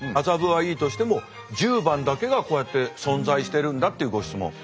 麻布はいいとしても十番だけがこうやって存在してるんだっていうご質問。